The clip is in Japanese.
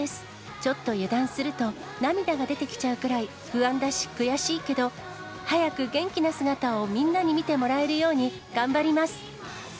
ちょっと油断すると、涙が出てきちゃうぐらい、不安だし、悔しいけど、早く元気な姿をみんなに見てもらえるように頑張ります。